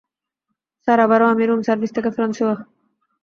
Sir, আবারো আমি, room service থেকে ফ্রান্সোয়া।